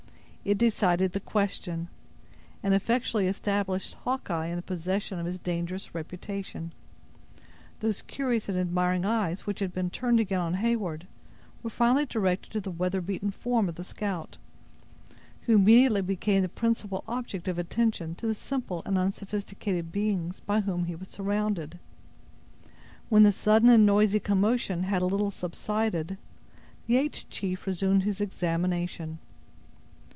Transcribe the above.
It decided the question, and effectually established Hawkeye in the possession of his dangerous reputation. Those curious and admiring eyes which had been turned again on Heyward, were finally directed to the weather beaten form of the scout, who immediately became the principal object of attention to the simple and unsophisticated beings by whom he was surrounded. When the sudden and noisy commotion had a little subsided, the aged chief resumed his examination.